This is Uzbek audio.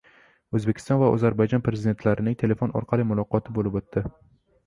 O‘zbekiston va Ozarbayjon Prezidentlarining telefon orqali muloqoti bo‘lib o‘tdi